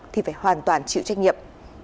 thì phải hoàn toàn chịu trách nhiệm